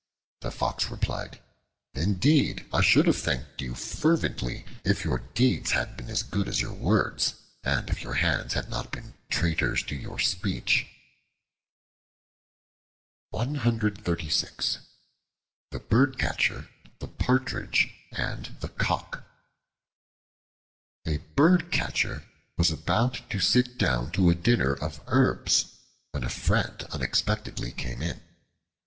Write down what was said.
The Fox replied, "Indeed, I should have thanked you fervently if your deeds had been as good as your words, and if your hands had not been traitors to your speech." The Birdcatcher, the Partridge, and the Cock A BIRDCATCHER was about to sit down to a dinner of herbs when a friend unexpectedly came in.